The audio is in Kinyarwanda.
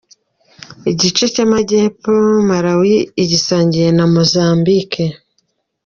Igice cy’Amajyepfo Malawi igisangiye na Mozambique.